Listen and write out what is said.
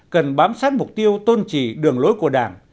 cần bám sát mục tiêu tôn trì đường lối của đảng